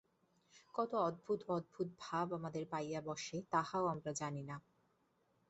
কত অদ্ভুত অদ্ভুত ভাব আমাদের পাইয়া বসে, তাহাও আমরা জানি না।